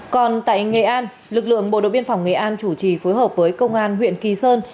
còn tại nghệ an lực lượng bộ đội biên phòng nghệ an chủ trì phối hợp với công an huyện kỳ sơn